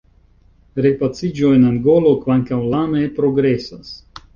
Repaciĝo en Angolo, kvankam lame, progresas.